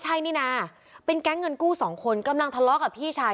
ใช่นี่นะเป็นแก๊งเงินกู้สองคนกำลังทะเลาะกับพี่ชาย